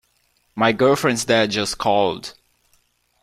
My girlfriend's dad just called.